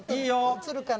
映るかな？